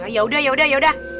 yaudah yaudah yaudah